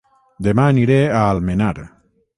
Dema aniré a Almenar